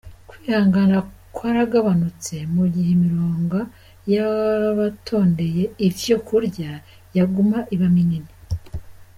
Kwihangana kwaragabanutse mu gihe imironga y'abatondeye ivyo kurya yaguma iba minini.